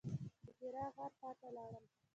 د حرا غار خواته لاړم.